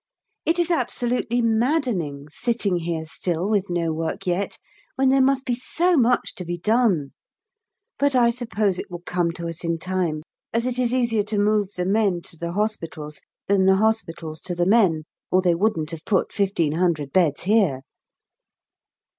It is absolutely maddening sitting here still with no work yet, when there must be so much to be done; but I suppose it will come to us in time, as it is easier to move the men to the hospitals than the hospitals to the men, or they wouldn't have put 1500 beds here.